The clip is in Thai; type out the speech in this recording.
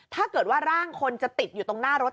ถ้าเกิดว่าร่างคนจะติดอยู่ตรงหน้ารถ